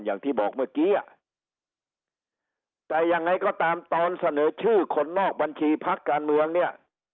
อย่างที่บอกเมื่อกี้อ่ะแต่ยังไงก็ตามตอนเสนอชื่อคนนอกบัญชีพักการเมืองเนี่ย